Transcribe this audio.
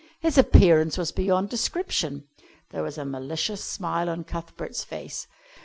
His appearance was beyond description. There was a malicious smile on Cuthbert's face.